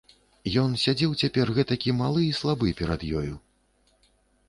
Ён сядзеў цяпер гэтакі малы і слабы перад ёю.